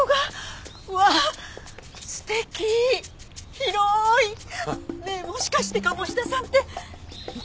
広い！ねえもしかして鴨志田さんってお金持ち？